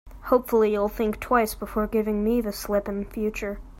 Hopefully, you'll think twice before giving me the slip in future.